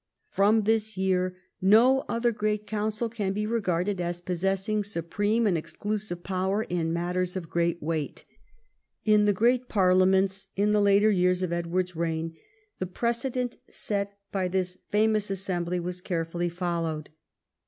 From this year no other great council can be regarded as possessing supreme and exclusive power in matters of great weight. In the great parliaments in the later years of Edward's reign the precedent set l>y this famous assembly was carefully followed.